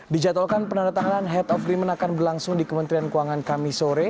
dijatuhkan penandatangan head of agreement akan berlangsung di kementerian keuangan kamisore